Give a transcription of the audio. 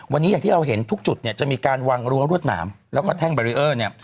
วันนี้อย่างที่เราเห็นทุกจุดเนี่ยจะมีการวางรั้วรวดหนามแล้วก็แท่งบารีเออร์เนี่ย